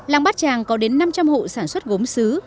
làng bát tràng có đến năm trăm linh hộ sản xuất gốm xứ